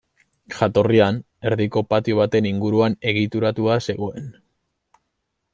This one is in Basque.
Jatorrian, erdiko patio baten inguruan egituratua zegoen.